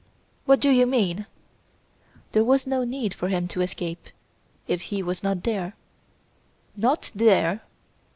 "What do you mean?" "There was no need for him to escape if he was not there!" "Not there!"